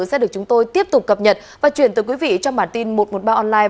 sẽ được chúng tôi tiếp tục cập nhật và chuyển tới quý vị trong bản tin một trăm một mươi ba online